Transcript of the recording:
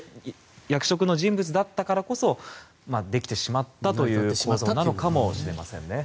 こうした役職の人物だからこそできてしまったという構造なのかもしれませんね。